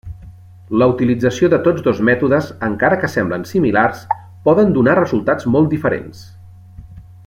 La utilització de tots dos mètodes, encara que semblen similars, poden donar resultats molt diferents.